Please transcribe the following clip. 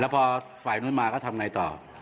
พอฝ่ายนู้นมาก็ทำไงต่อ